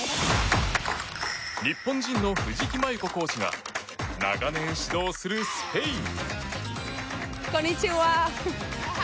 日本人の藤木麻祐子コーチが長年指導するスペイン。